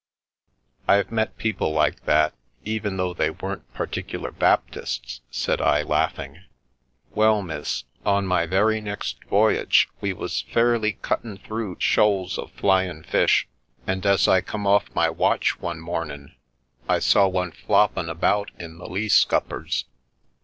" I've met people like that, even though they weren't Particular Baptists," said I, laughing. " Well, miss, on my very next voyage we was fairly cuttin' through shoals of flyin' fish, and as I come off The Milky Way my watch one mornin' I saw one floppin* about in the lee scuppers.